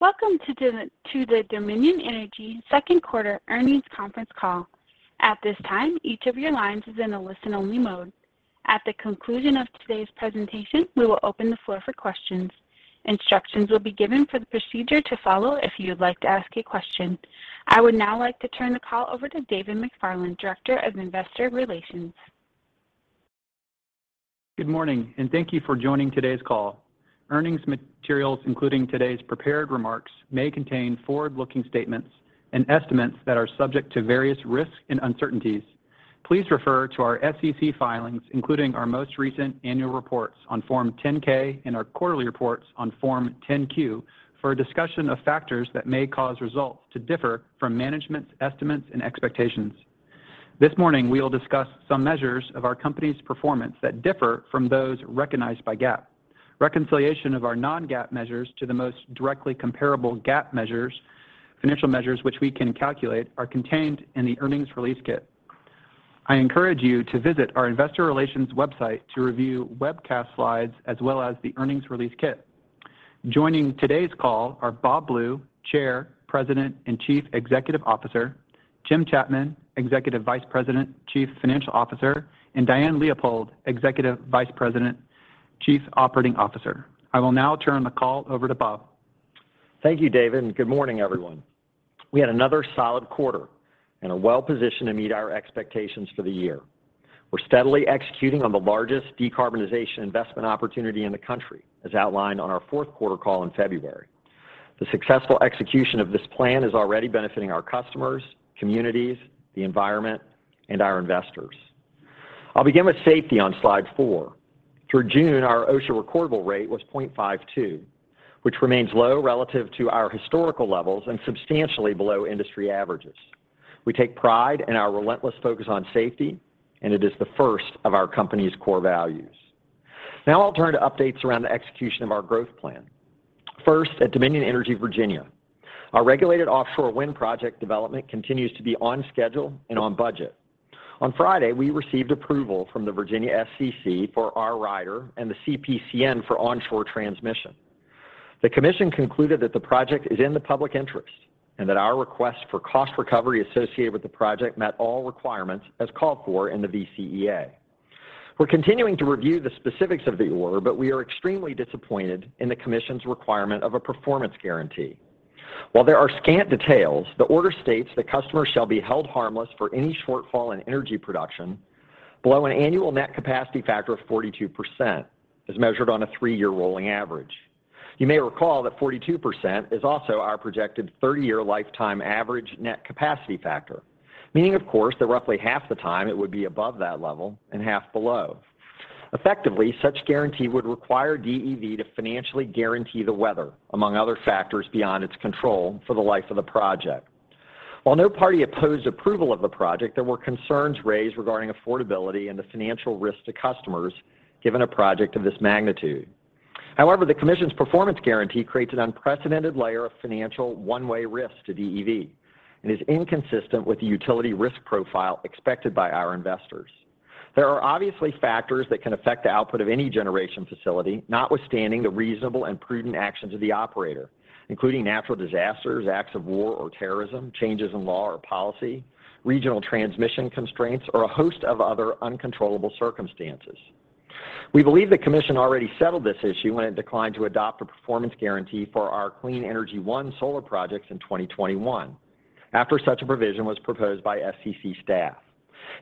Welcome to the Dominion Energy Q2 earnings conference call. At this time, each of your lines is in a listen-only mode. At the conclusion of today's presentation, we will open the floor for questions. Instructions will be given for the procedure to follow if you would like to ask a question. I would now like to turn the call over to David McFarland, Director of Investor Relations. Good morning, and thank you for joining today's call. Earnings materials, including today's prepared remarks, may contain forward-looking statements and estimates that are subject to various risks and uncertainties. Please refer to our SEC filings, including our most recent annual reports on Form 10-K and our quarterly reports on Form 10-Q, for a discussion of factors that may cause results to differ from management's estimates and expectations. This morning, we will discuss some measures of our company's performance that differ from those recognized by GAAP. Reconciliation of our non-GAAP measures to the most directly comparable GAAP measures, financial measures which we can calculate, are contained in the earnings release kit. I encourage you to visit our investor relations website to review webcast slides as well as the earnings release kit. Joining today's call are Bob Blue, Chair, President, and Chief Executive Officer, Jim Chapman, Executive Vice President, Chief Financial Officer, and Diane Leopold, Executive Vice President, Chief Operating Officer. I will now turn the call over to Bob. Thank you, David, and good morning, everyone. We had another solid quarter and are well-positioned to meet our expectations for the year. We're steadily executing on the largest decarbonization investment opportunity in the country, as outlined on our Q4 call in February. The successful execution of this plan is already benefiting our customers, communities, the environment, and our investors. I'll begin with safety on slide four. Through June, our OSHA recordable rate was 0.52, which remains low relative to our historical levels and substantially below industry averages. We take pride in our relentless focus on safety, and it is the first of our company's core values. Now I'll turn to updates around the execution of our growth plan. First, at Dominion Energy Virginia, our regulated offshore wind project development continues to be on schedule and on budget. On Friday, we received approval from the Virginia SCC for our rider and the CPCN for onshore transmission. The commission concluded that the project is in the public interest and that our request for cost recovery associated with the project met all requirements as called for in the VCEA. We're continuing to review the specifics of the order, but we are extremely disappointed in the commission's requirement of a performance guarantee. While there are scant details, the order states that customers shall be held harmless for any shortfall in energy production below an annual net capacity factor of 42%, as measured on a three year rolling average. You may recall that 42% is also our projected 30-year lifetime average net capacity factor, meaning, of course, that roughly half the time it would be above that level and half below. Effectively, such guarantee would require DEV to financially guarantee the weather, among other factors beyond its control, for the life of the project. While no party opposed approval of the project, there were concerns raised regarding affordability and the financial risk to customers given a project of this magnitude. However, the commission's performance guarantee creates an unprecedented layer of financial one-way risk to DEV and is inconsistent with the utility risk profile expected by our investors. There are obviously factors that can affect the output of any generation facility, notwithstanding the reasonable and prudent actions of the operator, including natural disasters, acts of war or terrorism, changes in law or policy, regional transmission constraints, or a host of other uncontrollable circumstances. We believe the commission already settled this issue when it declined to adopt a performance guarantee for our Clean Energy One solar projects in 2021 after such a provision was proposed by SCC staff.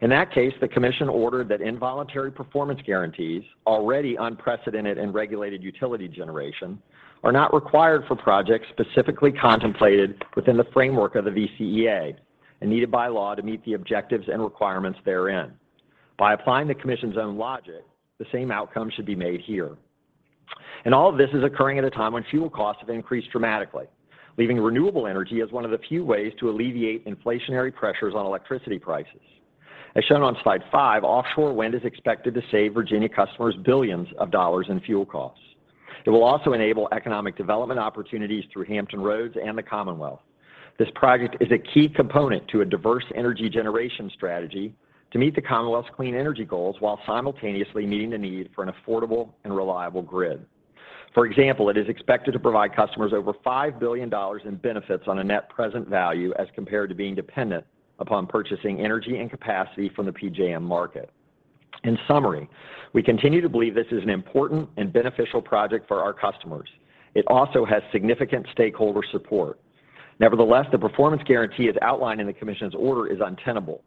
In that case, the commission ordered that involuntary performance guarantees, already unprecedented in regulated utility generation, are not required for projects specifically contemplated within the framework of the VCEA and needed by law to meet the objectives and requirements therein. By applying the commission's own logic, the same outcome should be made here. All of this is occurring at a time when fuel costs have increased dramatically, leaving renewable energy as one of the few ways to alleviate inflationary pressures on electricity prices. As shown on slide five, offshore wind is expected to save Virginia customers billions of dollars in fuel costs. It will also enable economic development opportunities through Hampton Roads and the Commonwealth. This project is a key component to a diverse energy generation strategy to meet the Commonwealth's clean energy goals while simultaneously meeting the need for an affordable and reliable grid. For example, it is expected to provide customers over $5 billion in benefits on a net present value as compared to being dependent upon purchasing energy and capacity from the PJM market. In summary, we continue to believe this is an important and beneficial project for our customers. It also has significant stakeholder support. Nevertheless, the performance guarantee as outlined in the commission's order is untenable.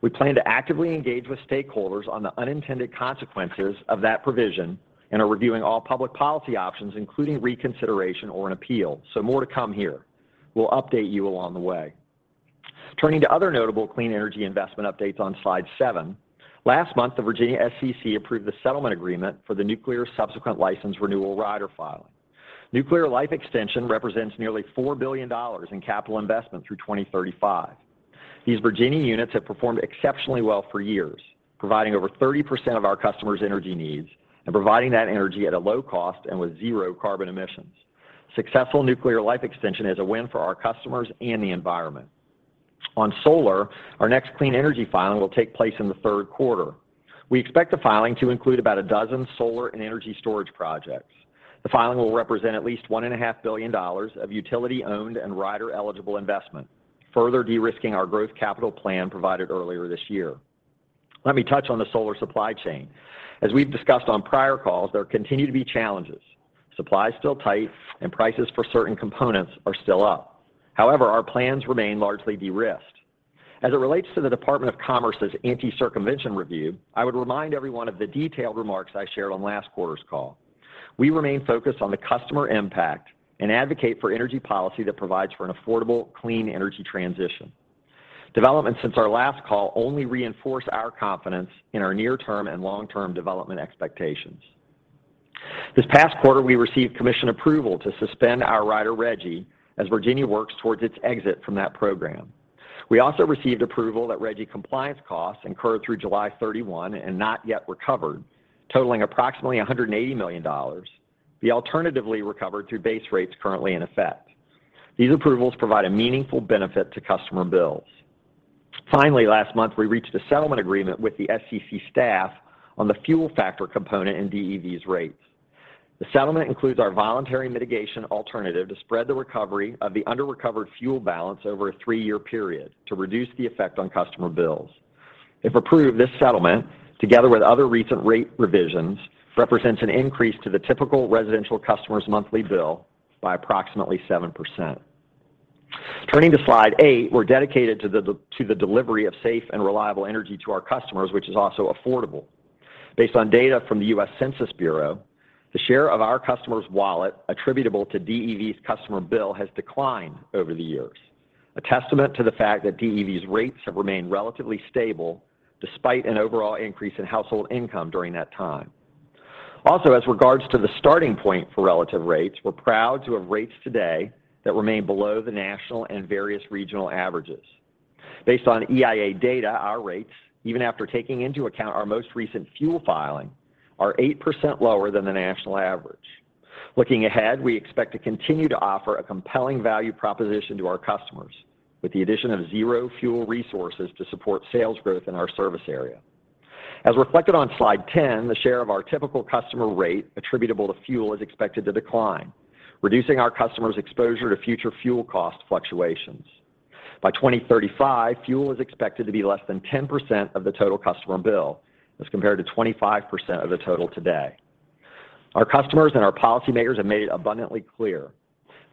We plan to actively engage with stakeholders on the unintended consequences of that provision and are reviewing all public policy options, including reconsideration or an appeal. More to come here. We'll update you along the way. Turning to other notable clean energy investment updates on slide seven. Last month, the Virginia SCC approved the settlement agreement for the nuclear subsequent license renewal rider filing. Nuclear life extension represents nearly $4 billion in capital investment through 2035. These Virginia units have performed exceptionally well for years, providing over 30% of our customers' energy needs and providing that energy at a low cost and with zero carbon emissions. Successful nuclear life extension is a win for our customers and the environment. On solar, our next clean energy filing will take place in the Q3. We expect the filing to include about a dozen solar and energy storage projects. The filing will represent at least $1.5 billion of utility-owned and rider-eligible investment, further de-risking our growth capital plan provided earlier this year. Let me touch on the solar supply chain. As we've discussed on prior calls, there continue to be challenges. Supply is still tight and prices for certain components are still up. However, our plans remain largely de-risked. As it relates to the Department of Commerce's anti-circumvention review, I would remind everyone of the detailed remarks I shared on last quarter's call. We remain focused on the customer impact and advocate for energy policy that provides for an affordable, clean energy transition. Developments since our last call only reinforce our confidence in our near-term and long-term development expectations. This past quarter, we received commission approval to suspend our rider RGGI as Virginia works towards its exit from that program. We also received approval that RGGI compliance costs incurred through July 31 and not yet recovered, totaling approximately $180 million, be alternatively recovered through base rates currently in effect. These approvals provide a meaningful benefit to customer bills. Finally, last month, we reached a settlement agreement with the SCC staff on the fuel factor component in DEV's rates. The settlement includes our voluntary mitigation alternative to spread the recovery of the under-recovered fuel balance over a three-year period to reduce the effect on customer bills. If approved, this settlement, together with other recent rate revisions, represents an increase to the typical residential customer's monthly bill by approximately 7%. Turning to slide eight, we're dedicated to the delivery of safe and reliable energy to our customers, which is also affordable. Based on data from the US Census Bureau, the share of our customer's wallet attributable to DEV's customer bill has declined over the years, a testament to the fact that DEV's rates have remained relatively stable despite an overall increase in household income during that time. As regards to the starting point for relative rates, we're proud to have rates today that remain below the national and various regional averages. Based on EIA data, our rates, even after taking into account our most recent fuel filing, are 8% lower than the national average. Looking ahead, we expect to continue to offer a compelling value proposition to our customers with the addition of zero fuel resources to support sales growth in our service area. As reflected on slide 10, the share of our typical customer rate attributable to fuel is expected to decline, reducing our customers' exposure to future fuel cost fluctuations. By 2035, fuel is expected to be less than 10% of the total customer bill as compared to 25% of the total today. Our customers and our policymakers have made it abundantly clear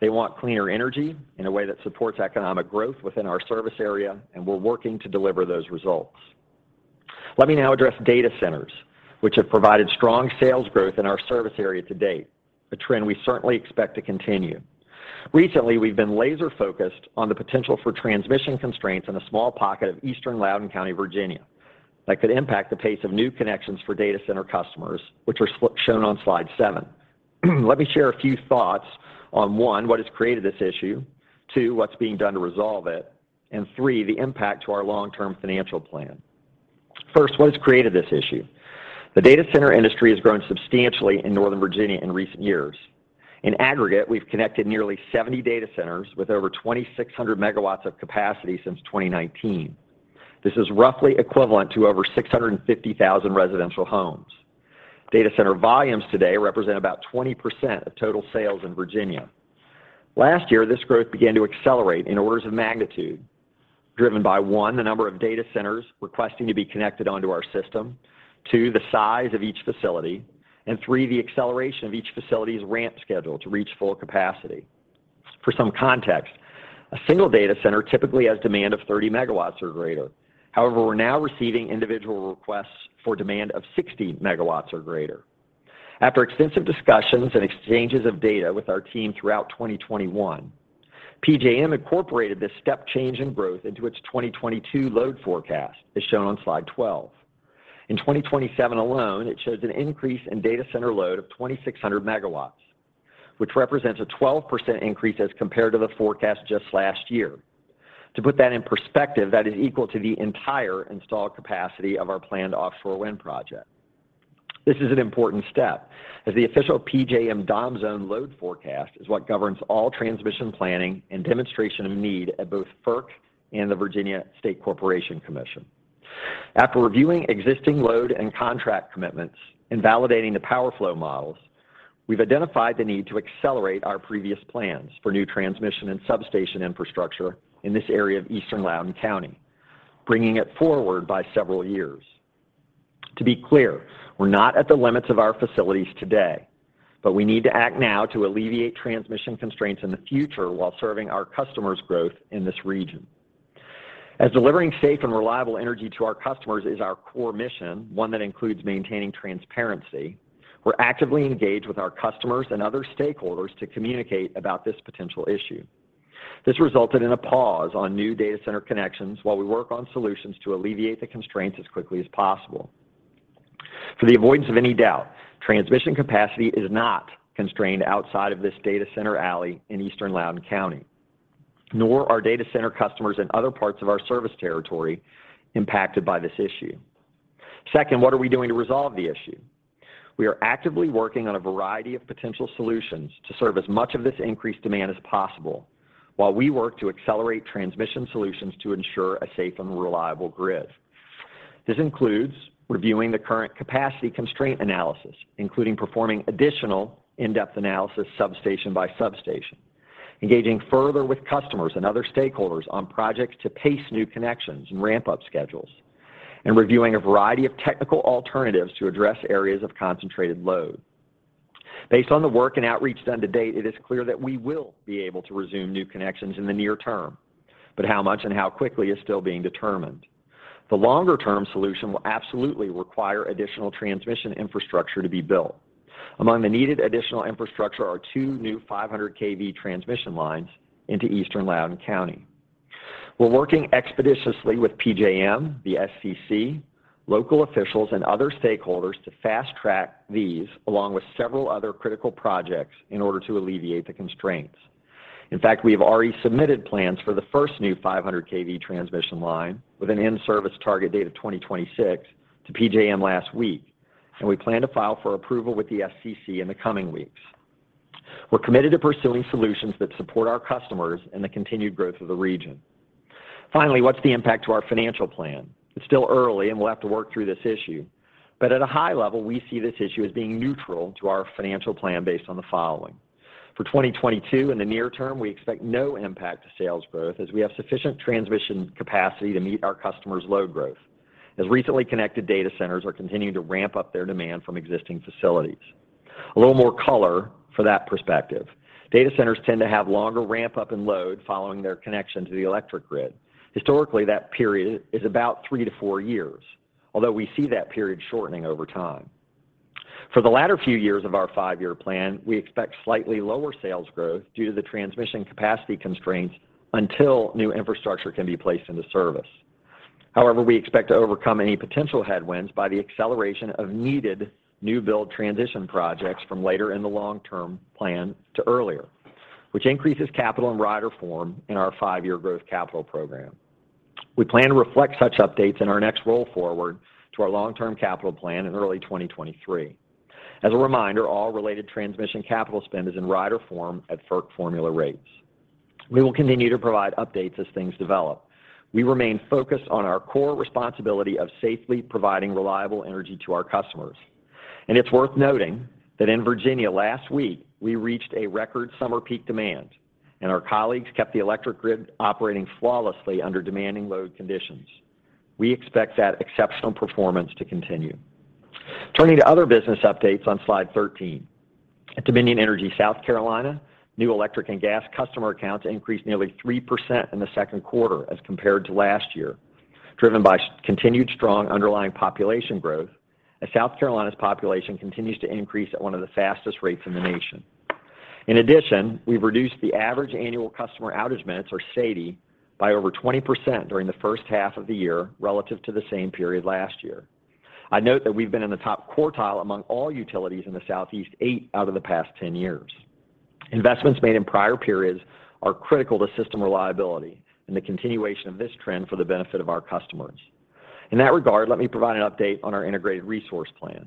they want cleaner energy in a way that supports economic growth within our service area, and we're working to deliver those results. Let me now address data centers, which have provided strong sales growth in our service area to date, a trend we certainly expect to continue. Recently, we've been laser-focused on the potential for transmission constraints in a small pocket of eastern Loudoun County, Virginia, that could impact the pace of new connections for data center customers, which are shown on slide seven. Let me share a few thoughts on, one, what has created this issue, two, what's being done to resolve it, and three, the impact to our long-term financial plan. First, what has created this issue? The data center industry has grown substantially in Northern Virginia in recent years. In aggregate, we've connected nearly 70 data centers with over 2,600 MW of capacity since 2019. This is roughly equivalent to over 650,000 residential homes. Data center volumes today represent about 20% of total sales in Virginia. Last year, this growth began to accelerate in orders of magnitude driven by, one, the number of data centers requesting to be connected onto our system, two, the size of each facility, and three, the acceleration of each facility's ramp schedule to reach full capacity. For some context, a single data center typically has demand of 30 MW or greater. However, we're now receiving individual requests for demand of 60 MW or greater. After extensive discussions and exchanges of data with our team throughout 2021, PJM incorporated this step change in growth into its 2022 load forecast, as shown on slide 12. In 2027 alone, it shows an increase in data center load of 2,600 MW, which represents a 12% increase as compared to the forecast just last year. To put that in perspective, that is equal to the entire installed capacity of our planned offshore wind project. This is an important step as the official PJM DOM Zone load forecast is what governs all transmission planning and demonstration of need at both FERC and the Virginia State Corporation Commission. After reviewing existing load and contract commitments and validating the power flow models, we've identified the need to accelerate our previous plans for new transmission and substation infrastructure in this area of eastern Loudoun County, bringing it forward by several years. To be clear, we're not at the limits of our facilities today, but we need to act now to alleviate transmission constraints in the future while serving our customers' growth in this region. As delivering safe and reliable energy to our customers is our core mission, one that includes maintaining transparency, we're actively engaged with our customers and other stakeholders to communicate about this potential issue. This resulted in a pause on new data center connections while we work on solutions to alleviate the constraints as quickly as possible. For the avoidance of any doubt, transmission capacity is not constrained outside of this data center alley in eastern Loudoun County, nor are data center customers in other parts of our service territory impacted by this issue. Second, what are we doing to resolve the issue? We are actively working on a variety of potential solutions to serve as much of this increased demand as possible while we work to accelerate transmission solutions to ensure a safe and reliable grid. This includes reviewing the current capacity constraint analysis, including performing additional in-depth analysis substation by substation, engaging further with customers and other stakeholders on projects to pace new connections and ramp-up schedules, and reviewing a variety of technical alternatives to address areas of concentrated load. Based on the work and outreach done to date, it is clear that we will be able to resume new connections in the near term, but how much and how quickly is still being determined. The longer-term solution will absolutely require additional transmission infrastructure to be built. Among the needed additional infrastructure are two new 500kV transmission lines into eastern Loudoun County. We're working expeditiously with PJM, the FERC, local officials, and other stakeholders to fast-track these along with several other critical projects in order to alleviate the constraints. In fact, we have already submitted plans for the first new 500kV transmission line with an in-service target date of 2026 to PJM last week, and we plan to file for approval with the FERC in the coming weeks. We're committed to pursuing solutions that support our customers and the continued growth of the region. Finally, what's the impact to our financial plan? It's still early, and we'll have to work through this issue. At a high level, we see this issue as being neutral to our financial plan based on the following. For 2022 in the near term, we expect no impact to sales growth as we have sufficient transmission capacity to meet our customers' load growth as recently connected data centers are continuing to ramp up their demand from existing facilities. A little more color for that perspective. Data centers tend to have longer ramp up and load following their connection to the electric grid. Historically, that period is about three to four years, although we see that period shortening over time. For the latter few years of our five-year plan, we expect slightly lower sales growth due to the transmission capacity constraints until new infrastructure can be placed into service. However, we expect to overcome any potential headwinds by the acceleration of needed new build transition projects from later in the long-term plan to earlier, which increases capital in rider form in our five-year growth capital program. We plan to reflect such updates in our next roll forward to our long-term capital plan in early 2023. As a reminder, all related transmission capital spend is in rider form at FERC formula rates. We will continue to provide updates as things develop. We remain focused on our core responsibility of safely providing reliable energy to our customers. It's worth noting that in Virginia last week, we reached a record summer peak demand, and our colleagues kept the electric grid operating flawlessly under demanding load conditions. We expect that exceptional performance to continue. Turning to other business updates on slide 13. At Dominion Energy South Carolina, new electric and gas customer accounts increased nearly 3% in the Q2 as compared to last year, driven by continued strong underlying population growth as South Carolina's population continues to increase at one of the fastest rates in the nation. In addition, we've reduced the average annual customer outage minutes, or SAIDI, by over 20% during the first half of the year relative to the same period last year. I note that we've been in the top quartile among all utilities in the Southeast eight out of the past 10 years. Investments made in prior periods are critical to system reliability and the continuation of this trend for the benefit of our customers. In that regard, let me provide an update on our integrated resource plan.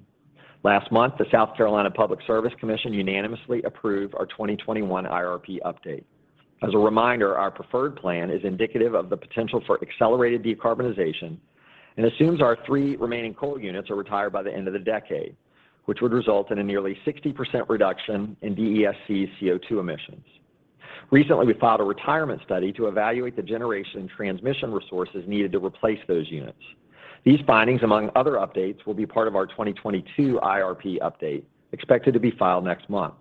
Last month, the Public Service Commission of South Carolina unanimously approved our 2021 IRP update. As a reminder, our preferred plan is indicative of the potential for accelerated decarbonization and assumes our three remaining coal units are retired by the end of the decade, which would result in a nearly 60% reduction in DESC CO2 emissions. Recently, we filed a retirement study to evaluate the generation and transmission resources needed to replace those units. These findings, among other updates, will be part of our 2022 IRP update expected to be filed next month.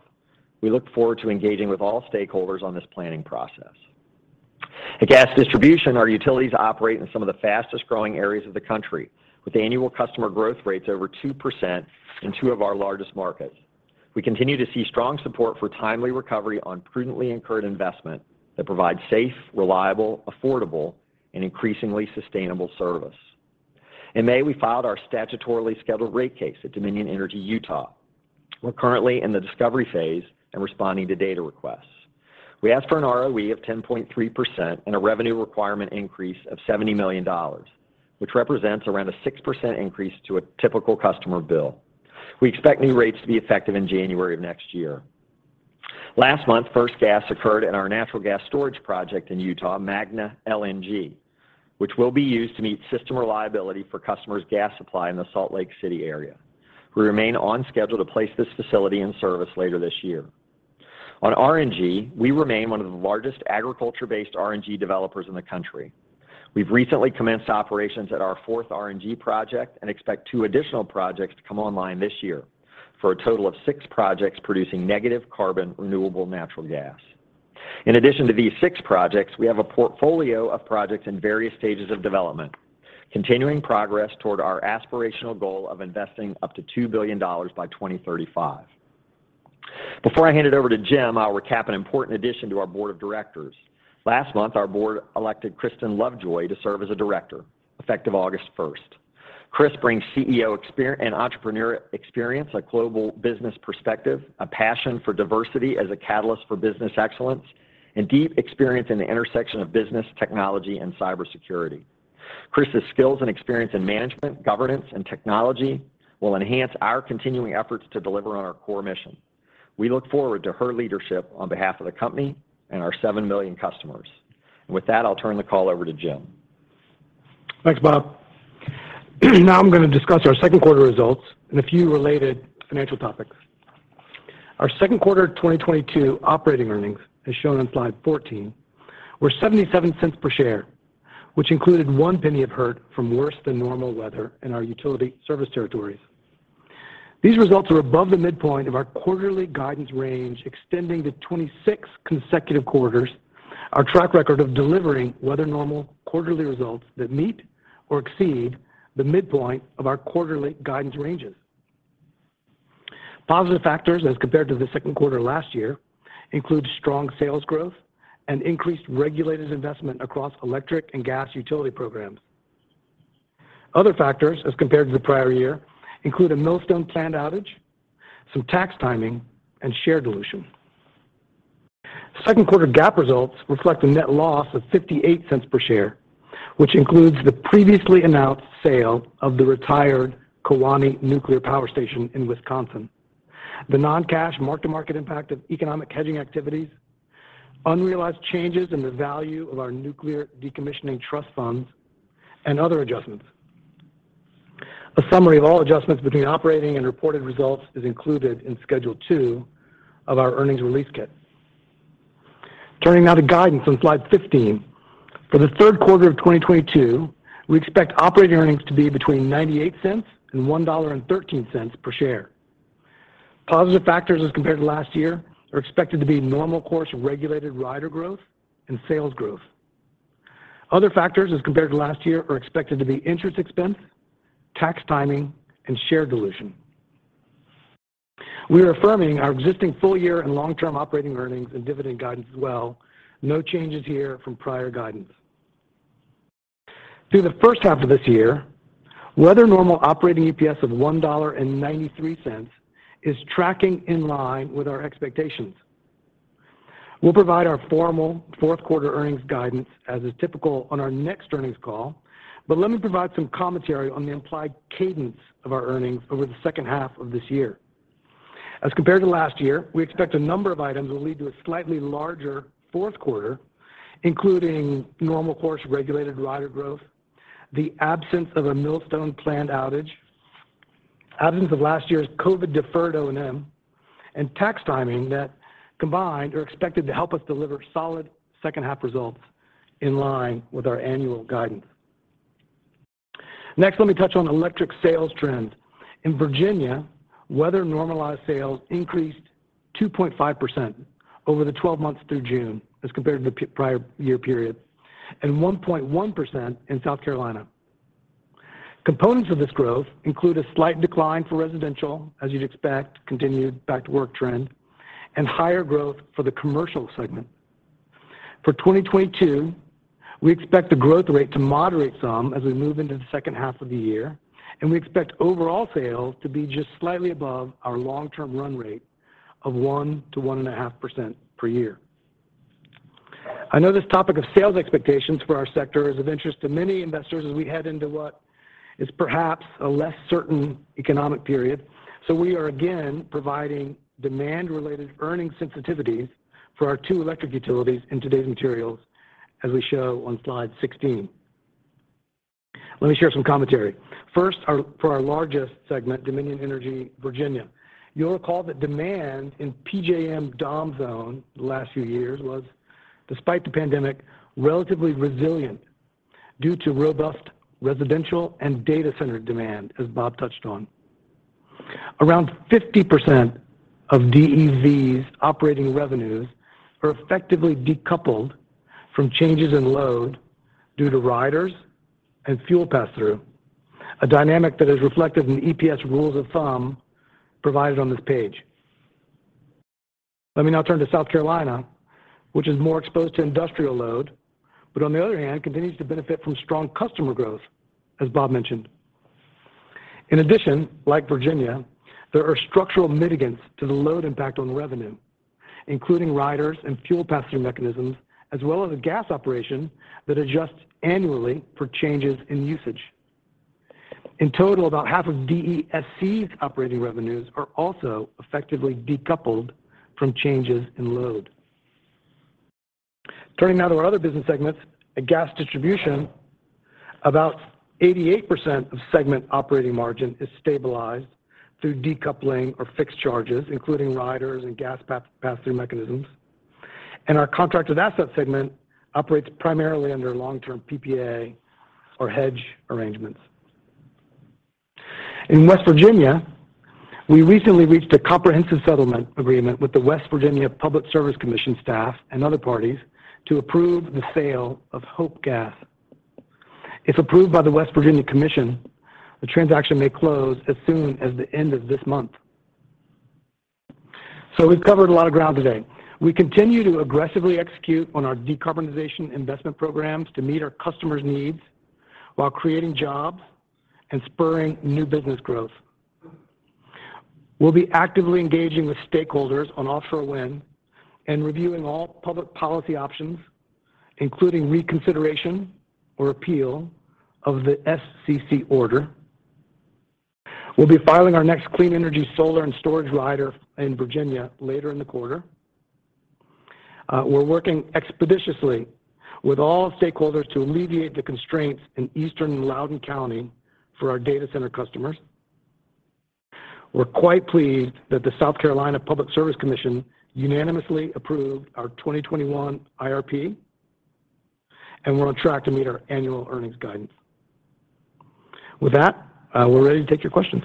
We look forward to engaging with all stakeholders on this planning process. At Gas Distribution, our utilities operate in some of the fastest-growing areas of the country, with annual customer growth rates over 2% in two of our largest markets. We continue to see strong support for timely recovery on prudently incurred investment that provides safe, reliable, affordable, and increasingly sustainable service. In May, we filed our statutorily scheduled rate case at Dominion Energy Utah. We're currently in the discovery phase and responding to data requests. We asked for an ROE of 10.3% and a revenue requirement increase of $70 million, which represents around a 6% increase to a typical customer bill. We expect new rates to be effective in January of next year. Last month, first gas occurred in our natural gas storage project in Utah, Magna LNG, which will be used to meet system reliability for customers' gas supply in the Salt Lake City area. We remain on schedule to place this facility in service later this year. On RNG, we remain one of the largest agriculture-based RNG developers in the country. We've recently commenced operations at our 4th RNG project and expect two additional projects to come online this year for a total of six projects producing negative carbon renewable natural gas. In addition to these six projects, we have a portfolio of projects in various stages of development, continuing progress toward our aspirational goal of investing up to $2 billion by 2035. Before I hand it over to Jim, I'll recap an important addition to our board of directors. Last month, our board elected Kristin Lovejoy to serve as a director, effective August 1st. Chris brings CEO experience and entrepreneur experience, a global business perspective, a passion for diversity as a catalyst for business excellence, and deep experience in the intersection of business, technology, and cybersecurity. Chris's skills and experience in management, governance, and technology will enhance our continuing efforts to deliver on our core mission. We look forward to her leadership on behalf of the company and our 7 million customers. With that, I'll turn the call over to Jim. Thanks, Bob. Now I'm going to discuss our Q2 results and a few related financial topics. Our Q2 of 2022 operating earnings, as shown on slide 14, were $0.77 per share, which included $0.01 of hurt from worse than normal weather in our utility service territories. These results are above the midpoint of our quarterly guidance range, extending to 26 consecutive quarters. Our track record of delivering weather normal quarterly results that meet or exceed the midpoint of our quarterly guidance ranges. Positive factors as compared to the Q2 last year include strong sales growth and increased regulated investment across electric and gas utility programs. Other factors, as compared to the prior year, include a Millstone plant outage, some tax timing, and share dilution. Q2 GAAP results reflect a net loss of $0.58 per share, which includes the previously announced sale of the retired Kewaunee Power Station in Wisconsin, the non-cash mark-to-market impact of economic hedging activities, unrealized changes in the value of our nuclear decommissioning trust funds, and other adjustments. A summary of all adjustments between operating and reported results is included in Schedule 2 of our earnings release kit. Turning now to guidance on slide 15. For the Q3 of 2022, we expect operating earnings to be between $0.98 and $1.13 per share. Positive factors as compared to last year are expected to be normal course regulated rider growth and sales growth. Other factors as compared to last year are expected to be interest expense, tax timing, and share dilution. We are affirming our existing full year and long-term operating earnings and dividend guidance as well. No changes here from prior guidance. Through the first half of this year, weather-normalized operating EPS of $1.93 is tracking in line with our expectations. We'll provide our formal Q4 earnings guidance as is typical on our next earnings call, but let me provide some commentary on the implied cadence of our earnings over the second half of this year. As compared to last year, we expect a number of items will lead to a slightly larger Q4, including normal course regulated rider growth, the absence of a Millstone plant outage, absence of last year's COVID deferred O&M, and tax timing that combined are expected to help us deliver solid second half results in line with our annual guidance. Next, let me touch on electric sales trends. In Virginia, weather normalized sales increased 2.5% over the 12 months through June as compared to the pre-prior year period, and 1.1% in South Carolina. Components of this growth include a slight decline for residential, as you'd expect, continued back-to-work trend, and higher growth for the commercial segment. For 2022, we expect the growth rate to moderate some as we move into the second half of the year, and we expect overall sales to be just slightly above our long-term run rate of 1%-1.5% per year. I know this topic of sales expectations for our sector is of interest to many investors as we head into what is perhaps a less certain economic period. We are again providing demand-related earnings sensitivities for our two electric utilities in today's materials as we show on slide 16. Let me share some commentary. First, our largest segment, Dominion Energy Virginia. You'll recall that demand in PJM DOM Zone, the last few years, was, despite the pandemic, relatively resilient due to robust residential and data center demand, as Bob touched on. Around 50% of DEZ operating revenues are effectively decoupled from changes in load due to riders and fuel pass-through, a dynamic that is reflected in the EPS rules of thumb provided on this page. Let me now turn to South Carolina, which is more exposed to industrial load, but on the other hand, continues to benefit from strong customer growth, as Bob mentioned. In addition, like Virginia, there are structural mitigants to the load impact on revenue, including riders and fuel pass-through mechanisms, as well as a gas operation that adjusts annually for changes in usage. In total, about half of DESC's operating revenues are also effectively decoupled from changes in load. Turning now to our other business segments. At gas distribution, about 88% of segment operating margin is stabilized through decoupling or fixed charges, including riders and gas pass-through mechanisms. Our contracted asset segment operates primarily under long-term PPA or hedge arrangements. In West Virginia, we recently reached a comprehensive settlement agreement with the Public Service Commission of West Virginia staff and other parties to approve the sale of Hope Gas. If approved by the West Virginia Commission, the transaction may close as soon as the end of this month. We've covered a lot of ground today. We continue to aggressively execute on our decarbonization investment programs to meet our customers' needs while creating jobs and spurring new business growth. We'll be actively engaging with stakeholders on offshore wind and reviewing all public policy options, including reconsideration or appeal of the SCC order. We'll be filing our next clean energy solar and storage rider in Virginia later in the quarter. We're working expeditiously with all stakeholders to alleviate the constraints in eastern Loudoun County for our data center customers. We're quite pleased that the Public Service Commission of South Carolina unanimously approved our 2021 IRP, and we're on track to meet our annual earnings guidance. With that, we're ready to take your questions.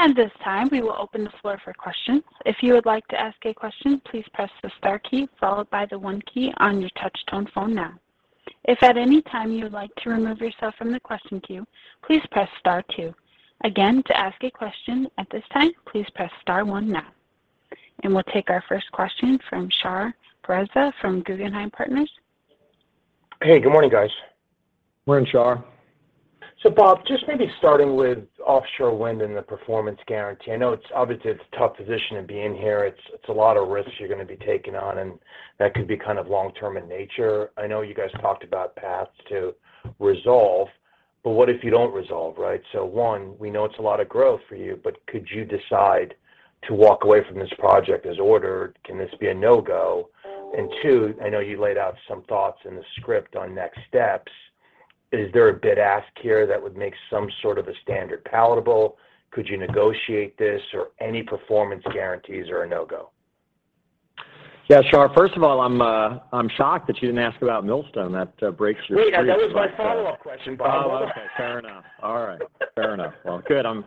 At this time, we will open the floor for questions. If you would like to ask a question, please press the star key followed by the one key on your touch tone phone now. If at any time you would like to remove yourself from the question queue, please press star two. Again, to ask a question at this time, please press star one now. We'll take our first question from Shar Pourreza from Guggenheim Partners. Hey, good morning, guys. Morning, Shar. Bob, just maybe starting with offshore wind and the performance guarantee. I know it's obviously it's a tough position to be in here. It's a lot of risks you're going to be taking on, and that could be kind of long-term in nature. I know you guys talked about paths to resolve, but what if you don't resolve, right? One, we know it's a lot of growth for you, but could you decide to walk away from this project as ordered? Can this be a no-go? Two, I know you laid out some thoughts in the script on next steps. Is there a big ask here that would make some sort of a standard palatable? Could you negotiate this or any performance guarantees or a no-go? Yeah. Shar, first of all, I'm shocked that you didn't ask about Millstone. That breaks your streak. Wait, that was my follow-up question, Bob. Okay. Fair enough. All right. Fair enough. Well, good. I'm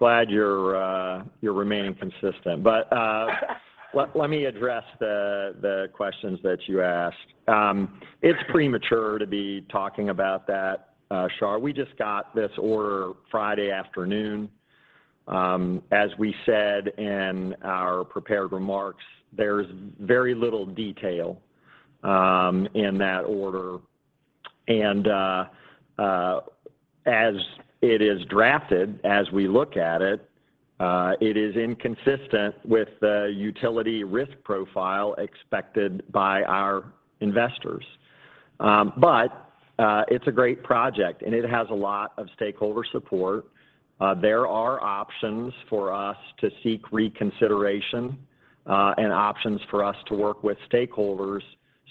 glad you're remaining consistent. Let me address the questions that you asked. It's premature to be talking about that, Shar. We just got this order Friday afternoon. As we said in our prepared remarks, there's very little detail in that order. As it is drafted, as we look at it is inconsistent with the utility risk profile expected by our investors. It's a great project, and it has a lot of stakeholder support. There are options for us to seek reconsideration, and options for us to work with stakeholders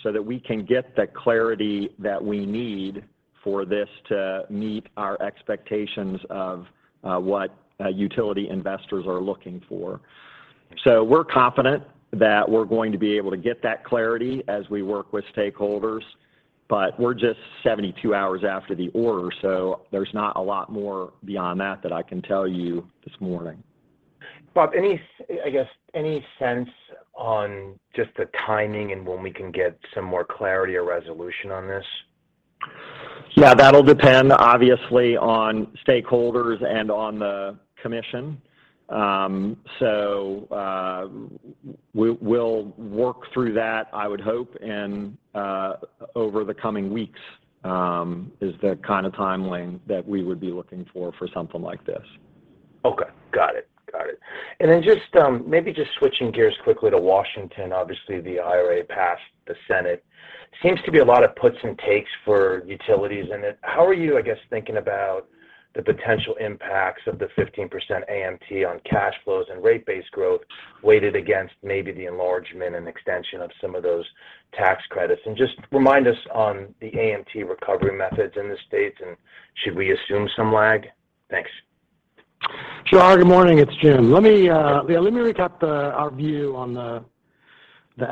so that we can get the clarity that we need for this to meet our expectations of what utility investors are looking for. We're confident that we're going to be able to get that clarity as we work with stakeholders. We're just 72 hours after the order, so there's not a lot more beyond that that I can tell you this morning. Bob, I guess, any sense on just the timing and when we can get some more clarity or resolution on this? Yeah, that'll depend obviously on stakeholders and on the commission. We'll work through that, I would hope in over the coming weeks is the kind of timeline that we would be looking for something like this. Okay. Got it. Just maybe just switching gears quickly to Washington, obviously the IRA passed the Senate. Seems to be a lot of puts and takes for utilities in it. How are you, I guess, thinking about the potential impacts of the 15% AMT on cash flows and rate-based growth weighted against maybe the enlargement and extension of some of those tax credits? Just remind us on the AMT recovery methods in the states, and should we assume some lag? Thanks. Shar, good morning. It's Jim. Let me recap our view on the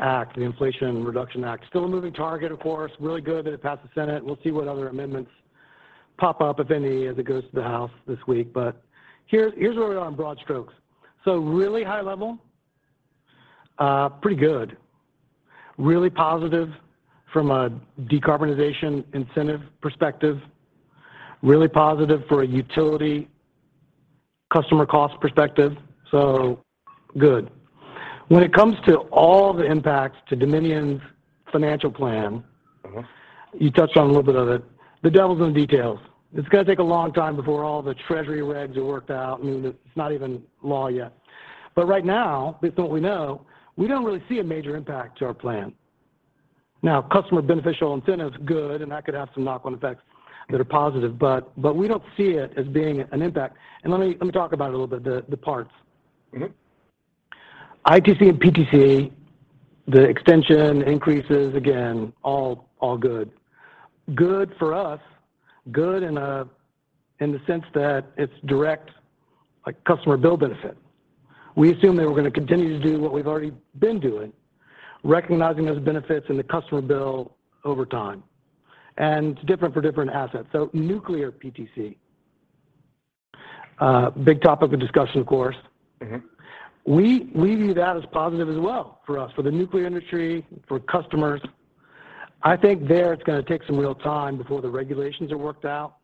act, the Inflation Reduction Act. Still a moving target, of course. Really good that it passed the Senate. We'll see what other amendments pop up, if any, as it goes to the House this week. Here's where we are on broad strokes. Really high level, pretty good. Really positive from a decarbonization incentive perspective, really positive for a utility customer cost perspective, so good. When it comes to all the impacts to Dominion's financial plan. Mm-hmm you touched on a little bit of it. The devil's in the details. It's going to take a long time before all the Treasury regs are worked out. I mean, it's not even law yet. Right now, based on what we know, we don't really see a major impact to our plan. Now, customer beneficial incentive is good, and that could have some knock-on effects that are positive, but we don't see it as being an impact. Let me talk about it a little bit, the parts. Mm-hmm. ITC and PTC, the extension increases, again, all good. Good for us, good in the sense that it's direct like customer bill benefit. We assume that we're going to continue to do what we've already been doing, recognizing those benefits in the customer bill over time, and different for different assets. Nuclear PTC, big topic of discussion, of course. Mm-hmm. We view that as positive as well for us, for the nuclear industry, for customers. I think there it's going to take some real time before the regulations are worked out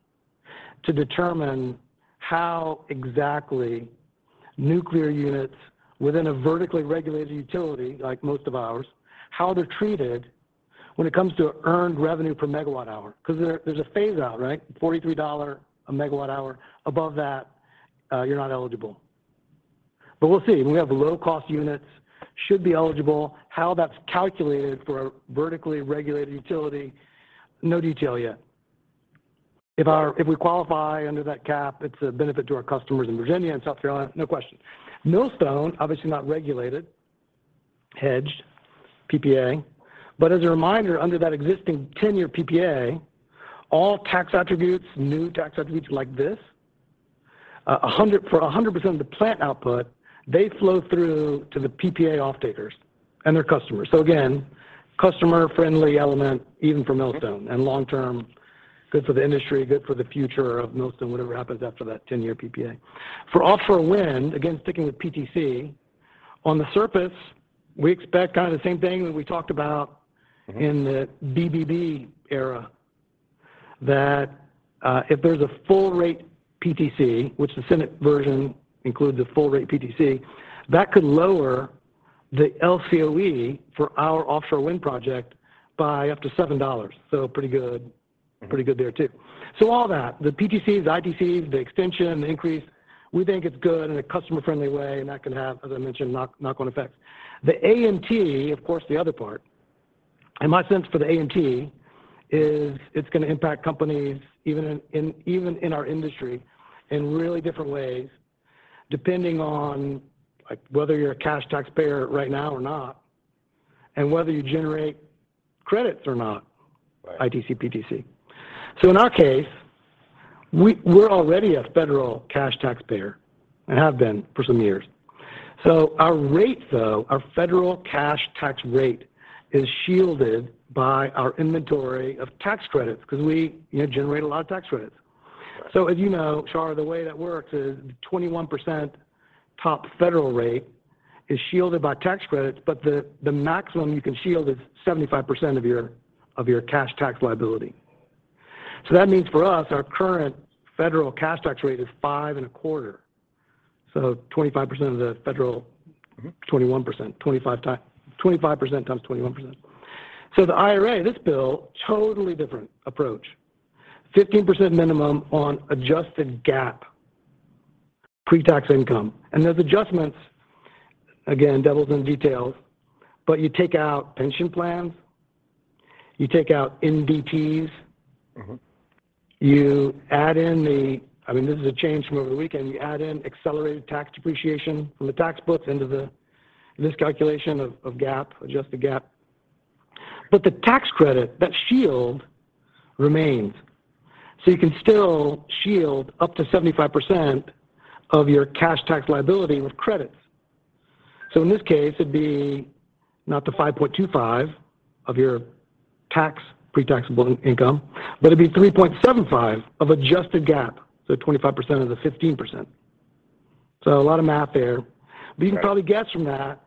to determine how exactly nuclear units within a vertically integrated utility, like most of ours, how they're treated when it comes to earned revenue per megawatt hour, 'cause there's a phase-out, right? $43 a megawatt hour. Above that, you're not eligible. We'll see. When we have low cost units should be eligible. How that's calculated for a vertically integrated utility, no detail yet. If we qualify under that cap, it's a benefit to our customers in Virginia and South Carolina, no question. Millstone, obviously not regulated, hedged PPA. As a reminder, under that existing 10-year PPA, all tax attributes, new tax attributes like this, a 100. For 100% of the plant output, they flow through to the PPA off-takers and their customers. Again, customer-friendly element even for Millstone and long-term good for the industry, good for the future of Millstone, whatever happens after that 10-year PPA. For offshore wind, again, sticking with PTC. On the surface, we expect kind of the same thing that we talked about in the BBB era, that, if there's a full rate PTC, which the Senate version includes a full rate PTC, that could lower the LCOE for our offshore wind project by up to $7. Pretty good, pretty good there too. All that, the PTCs, the ITCs, the extension, the increase, we think it's good in a customer-friendly way, and that can have, as I mentioned, knock-on effects. The AMT, of course, the other part. My sense for the AMT is it's going to impact companies even in our industry in really different ways depending on, like, whether you're a cash taxpayer right now or not, and whether you generate credits or not. Right. ITC, PTC. In our case, we're already a federal cash taxpayer and have been for some years. Our rate, though, our federal cash tax rate is shielded by our inventory of tax credits 'cause we, you know, generate a lot of tax credits. Right. As you know, Shar, the way that works is 21% top federal rate is shielded by tax credits, but the maximum you can shield is 75% of your cash tax liability. That means for us, our current federal cash tax rate is 5.25%. 25% of the federal. Mm-hmm. 21%. 25x. 25%x21%. The IRA, this bill, totally different approach. 15% minimum on adjusted GAAP pre-tax income. Those adjustments, again, devil's in details, but you take out pension plans, you take out NDT. Mm-hmm. I mean, this is a change from over the weekend. You add in accelerated tax depreciation from the tax books into this calculation of GAAP, adjusted GAAP. The tax credit, that shield remains. You can still shield up to 75% of your cash tax liability with credits. In this case, it'd be not the 5.25% of your tax, pre-taxable income, but it'd be 3.75% of adjusted GAAP, so 25% of the 15%. A lot of math there. Right. You can probably guess from that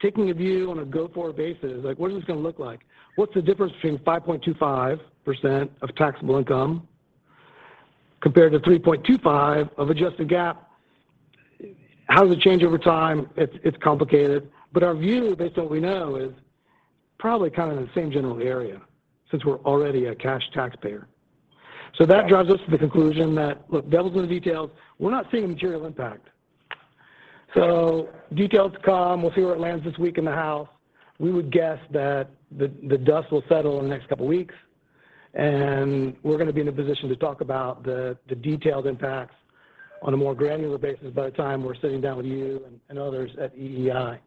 taking a view on a go-forward basis, like what is this going to look like? What's the difference between 5.25% of taxable income compared to 3.25% of adjusted GAAP? How does it change over time? It's complicated. Our view based on what we know is probably kind of in the same general area since we're already a cash taxpayer. That drives us to the conclusion that, look, devil's in the details. We're not seeing a material impact. Details to come. We'll see where it lands this week in the House. We would guess that the dust will settle in the next couple weeks, and we're going to be in a position to talk about the detailed impacts on a more granular basis by the time we're sitting down with you and others at EEI.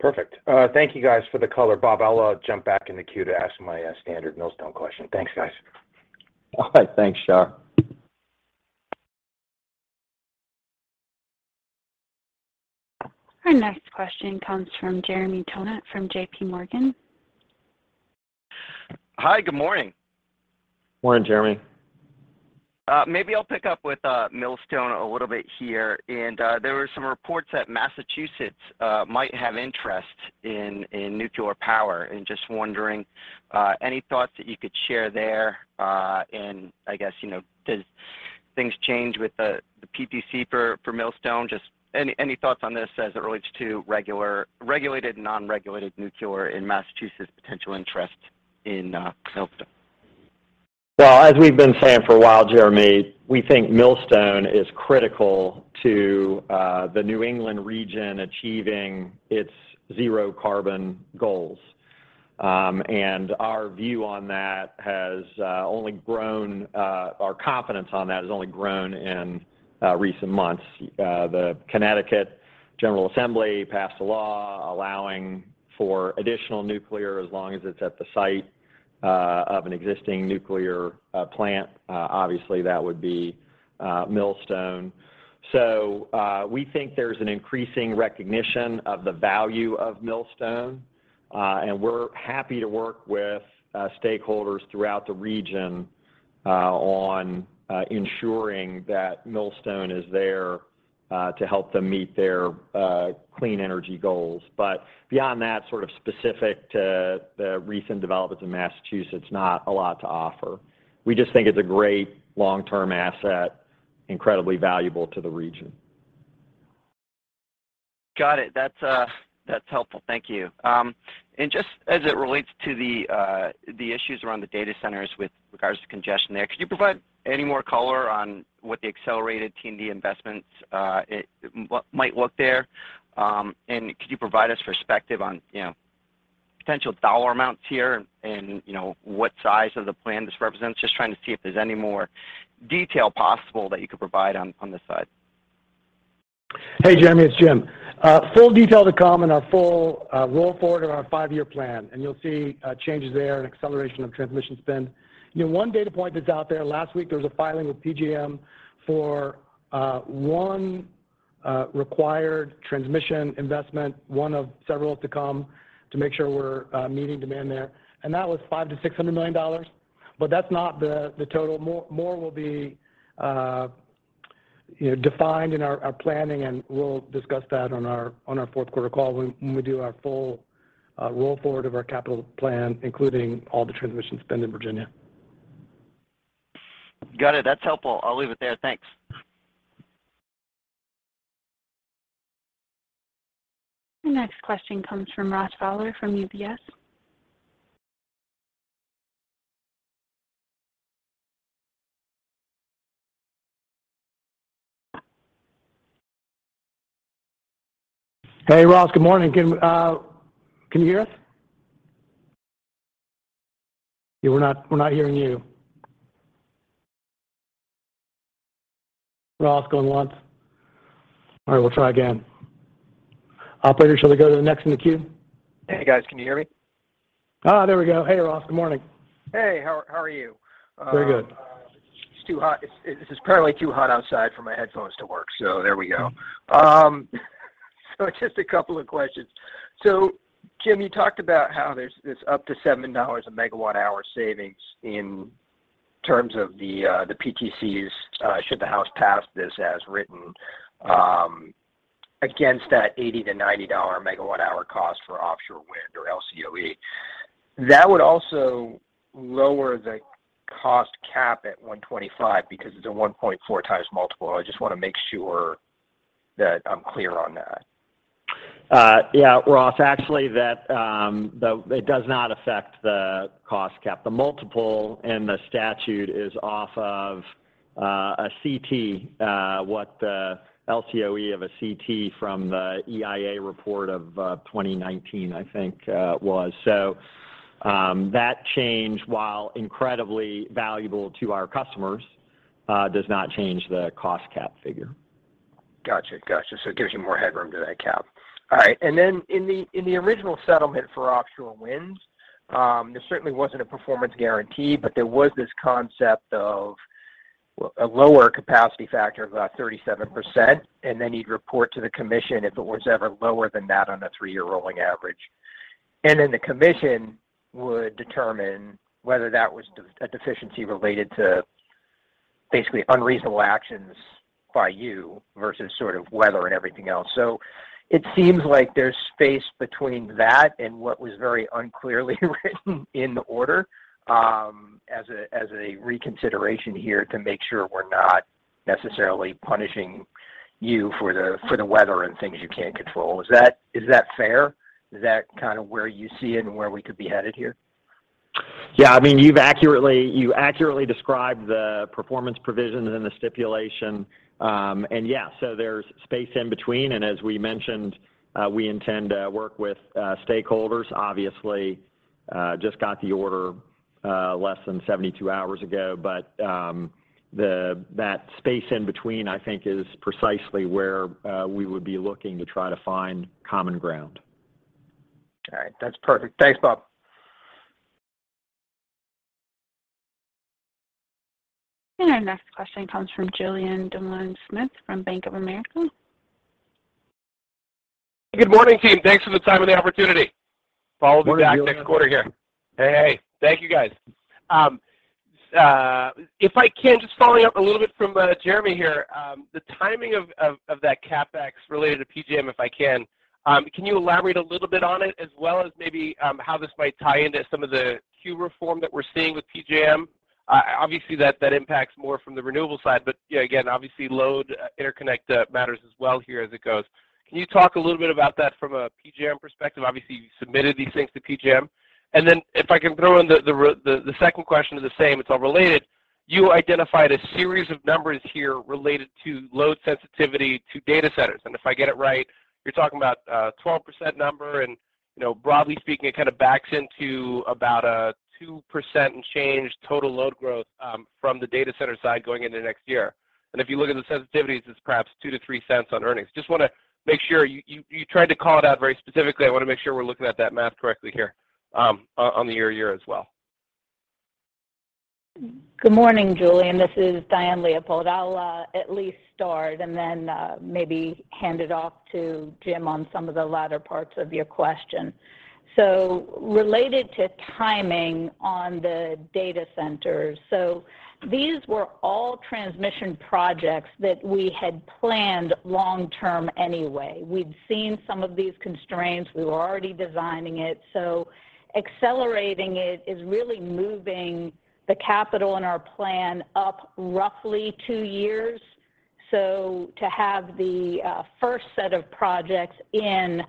Perfect. Thank you guys for the color. Bob, I'll jump back in the queue to ask my standard Millstone question. Thanks, guys. All right. Thanks, Shar Pourreza. Our next question comes from Jeremy Tonet from JPMorgan. Hi. Good morning. Morning, Jeremy. Maybe I'll pick up with Millstone a little bit here. There were some reports that Massachusetts might have interest in nuclear power. Just wondering any thoughts that you could share there, and I guess, you know, does things change with the PTC for Millstone? Just any thoughts on this as it relates to regulated and non-regulated nuclear in Massachusetts' potential interest in Millstone? Well, as we've been saying for a while, Jeremy, we think Millstone is critical to the New England region achieving its zero carbon goals. Our confidence on that has only grown in recent months. The Connecticut General Assembly passed a law allowing for additional nuclear as long as it's at the site of an existing nuclear plant. Obviously that would be Millstone. We think there's an increasing recognition of the value of Millstone, and we're happy to work with stakeholders throughout the region on ensuring that Millstone is there to help them meet their clean energy goals. Beyond that sort of specific to the recent developments in Massachusetts, not a lot to offer. We just think it's a great long-term asset, incredibly valuable to the region. Got it. That's helpful. Thank you. Just as it relates to the issues around the data centers with regards to congestion there, could you provide any more color on what the accelerated T&D investments might look like there? Could you provide us perspective on, you know, potential dollar amounts here and, you know, what size of the plan this represents? Just trying to see if there's any more detail possible that you could provide on this side. Hey Jeremy, it's Jim. Full detail to come in our full roll forward in our five-year plan, and you'll see changes there and acceleration of transmission spend. You know, one data point that's out there, last week there was a filing with PJM for one required transmission investment, one of several to come to make sure we're meeting demand there. That was $500 million-$600 million. That's not the total. More will be defined in our planning, and we'll discuss that on our Q4 call when we do our full roll forward of our capital plan, including all the transmission spend in Virginia. Got it. That's helpful. I'll leave it there. Thanks. The next question comes from Ross Fowler from Bank of America. Hey Ross, good morning. Can you hear us? Yeah, we're not hearing you. Ross, going once. All right, we'll try again. Operator, shall we go to the next in the queue? Hey guys, can you hear me? There we go. Hey Ross, good morning. Hey, how are you? Very good. It's too hot. It's apparently too hot outside for my headphones to work. There we go. Just a couple of questions. Jim, you talked about how it's up to $7/MWh savings in terms of the PTCs should the House pass this as written, against that $80-$90/MWh cost for offshore wind or LCOE. That would also lower the cost cap at $125 because it's a 1.4x multiple. I just want to make sure that I'm clear on that. Yeah, Ross, actually that, it does not affect the cost cap. The multiple and the statute is off of a CT, what the LCOE of a CT from the EIA report of 2019, I think it was. That change, while incredibly valuable to our customers, does not change the cost cap figure. Gotcha. It gives you more headroom to that cap. All right. In the original settlement for offshore winds, there certainly wasn't a performance guarantee, but there was this concept of a lower capacity factor of about 37%, and then you'd report to the commission if it was ever lower than that on a three-year rolling average. The commission would determine whether that was a deficiency related to basically unreasonable actions by you versus sort of weather and everything else. It seems like there's space between that and what was very unclearly written in the order, as a reconsideration here to make sure we're not necessarily punishing you for the weather and things you can't control. Is that fair? Is that kind of where you see it and where we could be headed here? Yeah. I mean, you accurately described the performance provisions in the stipulation. There's space in between, and as we mentioned, we intend to work with stakeholders. Obviously, just got the order less than 72 hours ago. That space in between, I think, is precisely where we would be looking to try to find common ground. All right. That's perfect. Thanks, Bob. Our next question comes from Julien Dumoulin-Smith from Bank of America. Good morning, team. Thanks for the time and the opportunity. Follow the deck next quarter here. Morning, Julien. Hey. Thank you guys. If I can, just following up a little bit from Jeremy here, the timing of that CapEx related to PJM. If I can you elaborate a little bit on it as well as maybe how this might tie into some of the queue reform that we're seeing with PJM? Obviously, that impacts more from the renewable side, but yeah, again, obviously load interconnect matters as well here as it goes. Can you talk a little bit about that from a PJM perspective? Obviously, you submitted these things to PJM. Then if I can throw in, the second question is the same. It's all related. You identified a series of numbers here related to load sensitivity to data centers. If I get it right, you're talking about a 12% number and, you know, broadly speaking, it kind of backs into about a 2% and change total load growth, from the data center side going into next year. If you look at the sensitivities, it's perhaps $0.02-$0.03 on earnings. Just want to make sure you tried to call it out very specifically. I want to make sure we're looking at that math correctly here, on the year-over-year as well. Good morning, Julien. This is Diane Leopold. I'll at least start and then maybe hand it off to Jim on some of the latter parts of your question. Related to timing on the data centers, these were all transmission projects that we had planned long term anyway. We'd seen some of these constraints. We were already designing it. Accelerating it is really moving the capital in our plan up roughly two years. To have the first set of projects in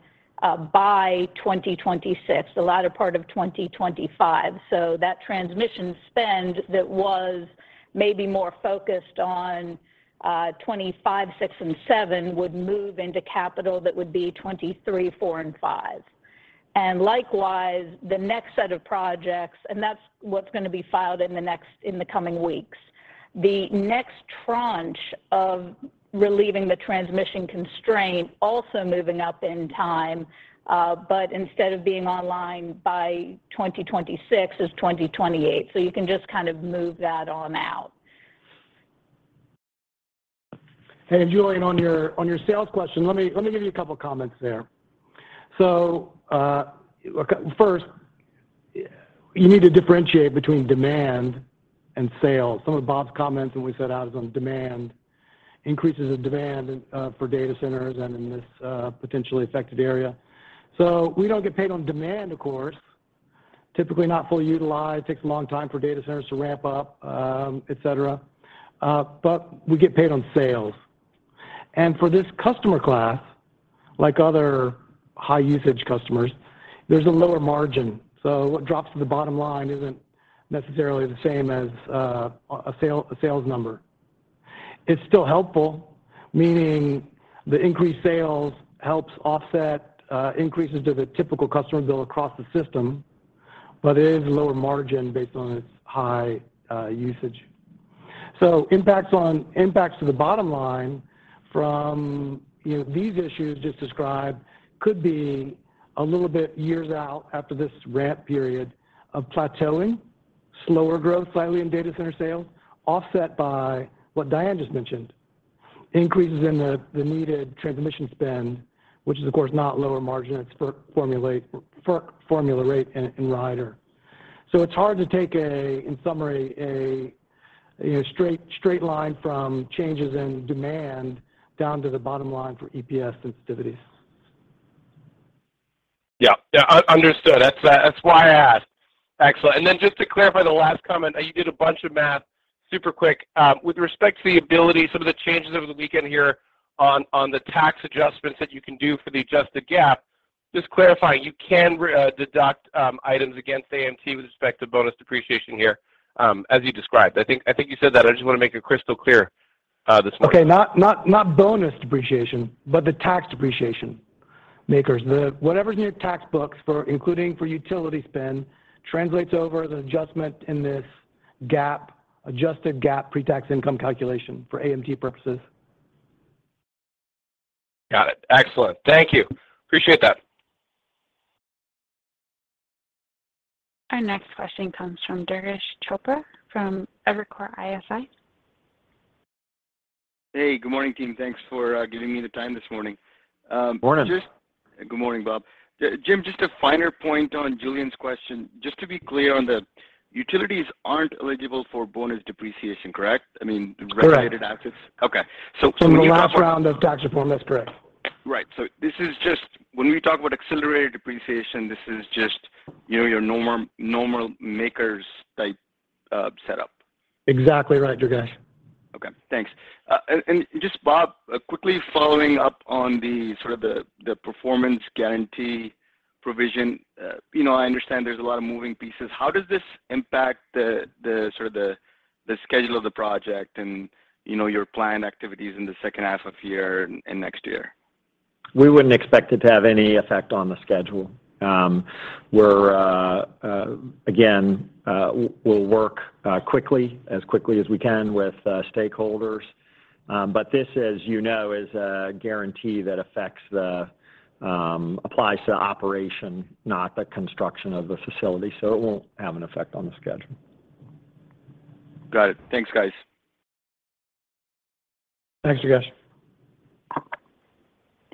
by 2026, the latter part of 2025. That transmission spend that was maybe more focused on 2025, 2026, and 2027 would move into capital that would be 2023, 2024, and 2025. Likewise, the next set of projects, and that's what's going to be filed in the coming weeks. The next tranche of relieving the transmission constraint also moving up in time, but instead of being online by 2026, is 2028. You can just kind of move that on out. Julien, on your sales question, let me give you a couple comments there. Look, first, you need to differentiate between demand and sales. Some of Bob's comments when we set out is on demand, increases in demand, for data centers and in this, potentially affected area. We don't get paid on demand, of course. Typically not fully utilized, takes a long time for data centers to ramp up, et cetera. But we get paid on sales. For this customer class, like other high usage customers, there's a lower margin. What drops to the bottom line isn't necessarily the same as a sales number. It's still helpful, meaning the increased sales helps offset increases to the typical customer bill across the system, but it is a lower margin based on its high usage. Impacts to the bottom line from, you know, these issues just described could be a little bit years out after this ramp period of plateauing, slower growth slightly in data center sales, offset by what Diane just mentioned, increases in the needed transmission spend, which is of course not lower margin, it's formula rate and rider. It's hard to take, in summary, a straight line from changes in demand down to the bottom line for EPS sensitivities. Yeah. Understood. That's why I asked. Excellent. Then just to clarify the last comment, you did a bunch of math super quick. With respect to the ability, some of the changes over the weekend here on the tax adjustments that you can do for the adjusted GAAP, just clarifying, you can deduct items against AMT with respect to bonus depreciation here, as you described. I think you said that. I just want to make it crystal clear this morning. Okay. Not bonus depreciation, but the tax depreciation, MACRS. Whatever's in your tax books including for utility spend translates over the adjustment in this GAAP, adjusted GAAP pre-tax income calculation for AMT purposes. Got it. Excellent. Thank you. Appreciate that. Our next question comes from Durgesh Chopra from Evercore ISI. Hey, good morning team. Thanks for giving me the time this morning. Morning. Good morning, Bob. Jim, just a finer point on Julien question. Just to be clear, utilities aren't eligible for bonus depreciation, correct? Correct. Regulated assets. Okay. When you talk about From the last round of tax reform, that's correct. Right. This is just when we talk about accelerated depreciation, this is just, you know, your normal MACRS type setup. Exactly right, Durgesh. Okay. Thanks. Just Bob, quickly following up on the sort of performance guarantee provision. You know, I understand there's a lot of moving parts. How does this impact the sort of schedule of the project and, you know, your planned activities in the second half of year and next year? We wouldn't expect it to have any effect on the schedule. We're again, we'll work quickly, as quickly as we can with stakeholders. This, as you know, is a guarantee that applies to operation, not the construction of the facility, so it won't have an effect on the schedule. Got it. Thanks, guys. Thanks, Durgesh.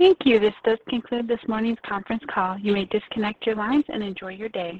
Thank you. This does conclude this morning's conference call. You may disconnect your lines and enjoy your day.